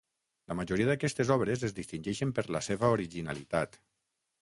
La majoria d'aquestes obres es distingeixen per la seva originalitat.